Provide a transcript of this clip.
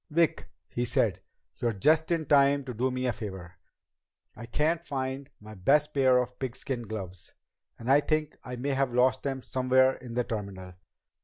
"Vic," he said, "you're just in time to do me a favor. I can't find my best pair of pigskin gloves, and I think I may have lost them somewhere in the terminal.